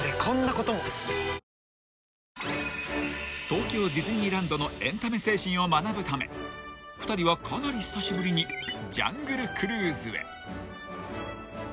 ［東京ディズニーランドのエンタメ精神を学ぶため２人はかなり久しぶりにジャングルクルーズへ］